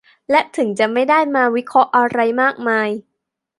และถึงจะไม่ได้มาวิเคราะห์อะไรมากมาย